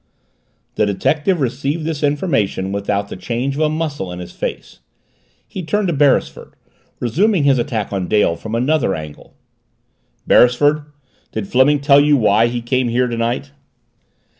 The detective received this information without the change of a muscle in his face. He turned to Beresford resuming his attack on Dale from another angle. "Beresford, did Fleming tell you why he came here tonight?"